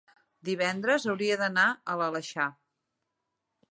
divendres hauria d'anar a l'Aleixar.